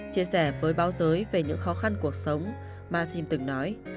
chia sẻ với báo giới về những khó khăn cuộc sống maxim từng nói